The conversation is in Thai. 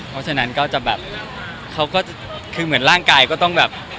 เพราะฉะนั้นก็จะแบบเขาก็คือเหมือนร่างกายก็ต้องแบบ